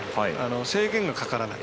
制限がかからない。